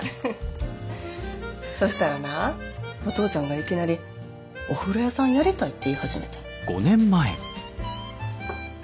そしたらなお父ちゃんがいきなり「お風呂屋さんやりたい」って言い始めてん。